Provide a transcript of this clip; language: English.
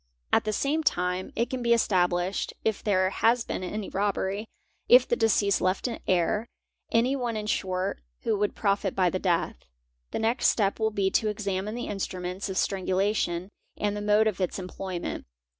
At the same time it can be established if there has been any robbery, if | he deceased left a heir, anyone in short who would profit by the death. The next step will be to examine the instruments of strangulation 'and the mode of its employment.